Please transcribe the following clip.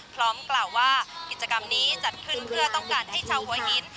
กล่าวว่ากิจกรรมนี้จัดขึ้นเพื่อต้องการให้ชาวหัวหิน